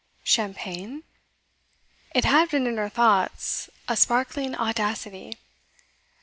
'Champagne ?' It had been in her thoughts, a sparkling audacity.